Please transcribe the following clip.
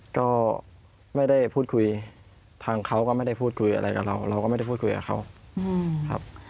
ก็ไม่ได้พูดคุยทางเขาก็ไม่ได้พูดคุยอะไรกับเราเราก็ไม่ได้พูดคุยกับเขาครับ